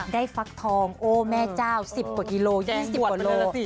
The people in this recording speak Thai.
ฟักทองโอ้แม่เจ้า๑๐กว่ากิโล๒๐กว่าโล